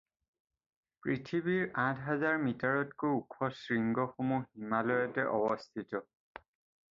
পৃথিৱীৰ আঠ হাজাৰ মিটাৰতকৈও ওখ শৃংগ সমূহ হিমালয়তে অৱস্থিত।